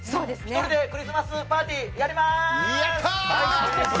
１人でクリスマスパーティーやります！